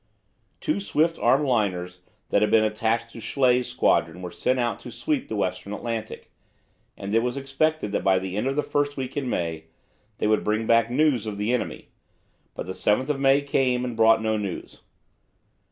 Two swift armed liners that had been attached to Schley's squadron were sent out to sweep the Western Atlantic, and it was expected that by the end of the first week in May they would bring back news of the enemy, but 7 May came and brought no news.